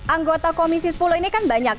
anggota komisi sepuluh ini kan banyak